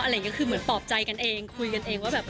อะไรอย่างนี้คือเหมือนปลอบใจกันเองคุยกันเองว่าแบบ